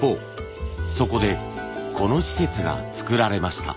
そこでこの施設が作られました。